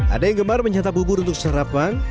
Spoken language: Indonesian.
ada yang gemar menyatap bubur untuk sarapan